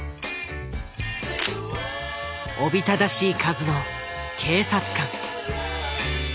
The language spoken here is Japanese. おびただしい数の警察官。